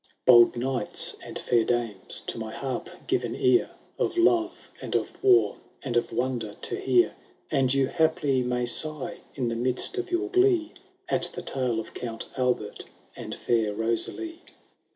Bold knights and fair dames, to my harp give an ear, Of love, and of war, and of wonder to hear ; And you haply may sigh, in the midst of your glee, At the tale of Count Albert, and fair Rosalie.